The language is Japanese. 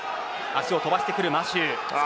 足を飛ばしてくるマシューです。